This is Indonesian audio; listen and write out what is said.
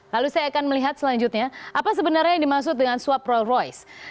lalu saya akan melihat selanjutnya apa sebenarnya yang dimaksud dengan suap roll royce